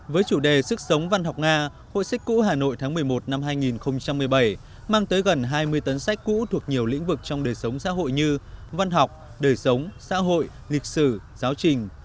với chủ đề sức sống văn học nga hội sách cũ hà nội tháng một mươi một năm hai nghìn một mươi bảy mang tới gần hai mươi tấn sách cũ thuộc nhiều lĩnh vực trong đời sống xã hội như văn học đời sống xã hội lịch sử giáo trình